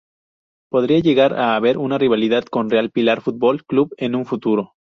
Podría llegar a haber una rivalidad con Real Pilar Fútbol Club en un futuro.